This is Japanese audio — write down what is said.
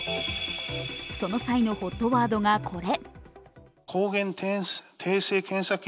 その際のＨＯＴワードが、これ。